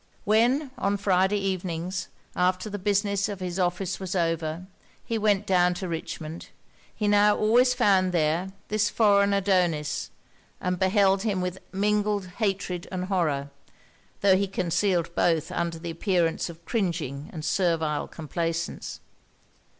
When, on Friday evenings, after the business of his office was over, he went down to Richmond, he now always found there this foreign Adonis; and beheld him with mingled hatred and horror, tho' he concealed both under the appearance of cringing and servile complaisance.